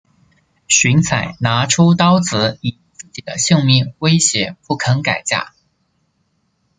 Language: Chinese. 荀采拿出刀子以自己的性命威胁不肯改嫁。